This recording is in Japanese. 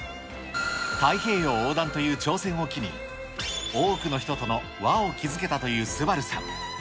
太平洋横断という挑戦を機に、多くの人との輪を築けたという素晴さん。